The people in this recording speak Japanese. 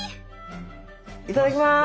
いただきます。